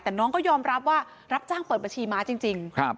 แต่น้องก็ยอมรับว่ารับจ้างเปิดบัญชีม้าจริง